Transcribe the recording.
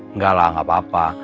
enggak lah nggak apa apa